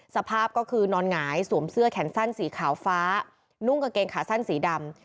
สภาพก็คือนอนหงายสวมเสื้อแขนสั้นสีขาวฟ้านุ่งกางเกงขาสั้นสีดำ